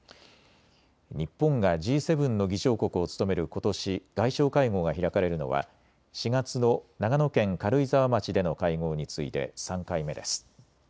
日本がＧ７の議長国を務めることし、外相会合が開かれるのは４月の長野県軽井沢町での会合に次いで３回目です。